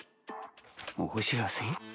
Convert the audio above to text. お知らせ？